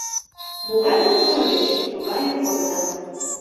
Могай мотор ыльыч, тугаяк кодынат!